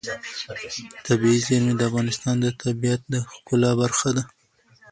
طبیعي زیرمې د افغانستان د طبیعت د ښکلا برخه ده.